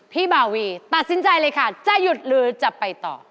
บาวีตัดสินใจเลยค่ะจะหยุดหรือจะไปต่อ